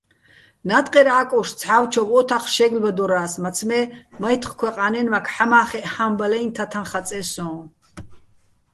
ნატყერ ა́კუშ ცჰ̦ა́ვჩოვ ო́თახ შე́გლბადორა́ს, მაცმე́ მაჲთხქვეყა́ნაჲნმაქ ჰ̦ამა́ხეჸ ჰა́მბალაჲნი̆ თათაჼ ხაწეჼ სო́ჼ.